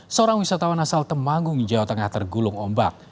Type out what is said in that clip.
seorang wisatawan asal temanggung jawa tengah tergulung ombak